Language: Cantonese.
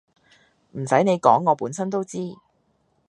唔使你講我本身都知